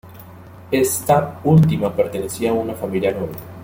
Ésta última pertenecía a una familia noble.